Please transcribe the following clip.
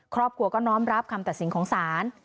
ครอบครัวก็น้อมรับคำตัดสินของศาล